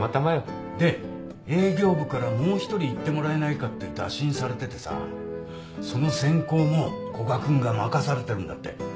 で営業部からもう１人行ってもらえないかって打診されててさその選考も古賀君が任されてるんだって。